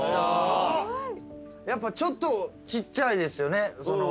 やっぱちょっとちっちゃいですよね。